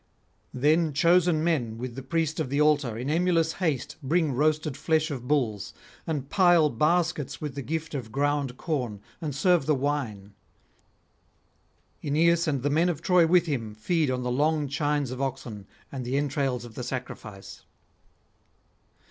Then chosen men with the priest of the altar in emulous haste bring roasted flesh of bulls, and pile baskets with the gift of ground corn, and serve the wine. Aeneas and the men of Troy with him feed on the long chines of oxen and the entrails of the sacrifice.